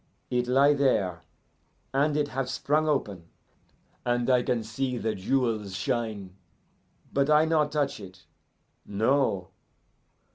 It lie there, and it have sprung open, and I can see the jewels shine, but I not touch it no.